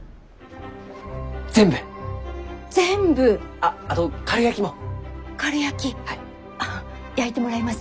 あっ焼いてもらいます。